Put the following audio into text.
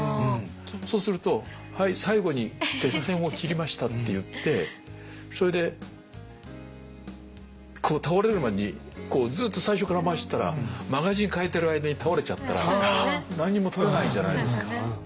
そうすると最後に鉄線を切りましたっていってそれでこう倒れる前にずっと最初から回してたらマガジン換えてる間に倒れちゃったら何にも撮れないじゃないですか。